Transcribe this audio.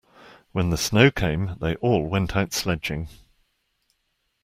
When the snow came, they all went out sledging.